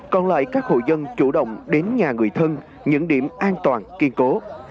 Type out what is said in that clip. còn lại các hộ dân chủ động đến nhà người thân những điểm an toàn kiên cố